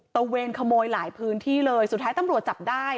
เวนขโมยหลายพื้นที่เลยสุดท้ายตำรวจจับได้